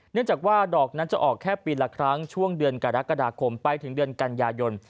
เนื่องจากว่าดอกนั้นจะออกแค่ปีละครั้งช่วงเดือนกรกฎาคมไปถึงเดือนกันยายน